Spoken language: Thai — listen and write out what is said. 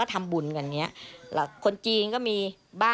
ได้นำเรื่องราวมาแชร์ในโลกโซเชียลจึงเกิดเป็นประเด็นอีกครั้ง